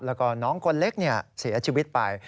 แล้วก็น้องคนเล็กเสียชีวิตไป